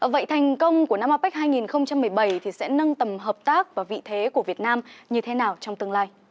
vậy thành công của năm apec hai nghìn một mươi bảy sẽ nâng tầm hợp tác và vị thế của việt nam như thế nào trong tương lai